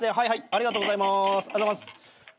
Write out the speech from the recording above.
ありがとうございます。